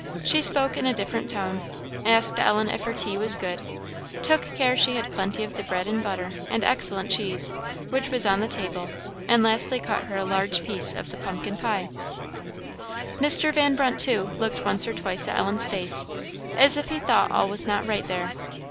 She spoke in a different tone; asked Ellen if her tea was good; took care she had plenty of the bread and butter, and excellent cheese, which was on the table; and, lastly cut her a large piece of the pumpkin pie. Mr. Van Brunt, too, looked once or twice at Ellen's face, as if he thought all was not right there.